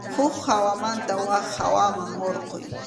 Huk hawamanta wak hawaman hurquy.